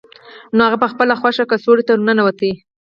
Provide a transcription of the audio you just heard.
نو هغه په خپله خوښه کڅوړې ته ورننوته